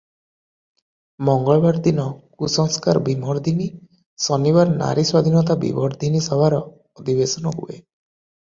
ମଙ୍ଗଳବାର ଦିନ 'କୁସଂସ୍କାର-ବିମର୍ଦ୍ଦିନି' ଶନିବାର 'ନାରୀସ୍ୱାଧୀନତା-ବିବର୍ଦ୍ଧିନୀ' ସଭାର ଅଧିବେଶନ ହୁଏ ।